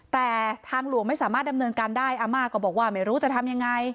แต่ทางหลวงไม่สามารถดำเนินการได้อาม่าก็บอกว่าไม่รู้จะทำยังไง